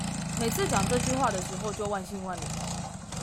每次講這句話的時候就萬試萬靈